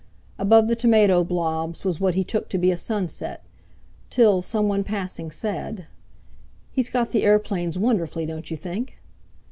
Above the tomato blobs was what he took to be a sunset, till some one passing said: "He's got the airplanes wonderfully, don't you think!"